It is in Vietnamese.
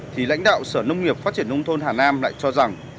thì lãnh đạo sở nông nghiệp phát triển nông thôn hà nam lại cho rằng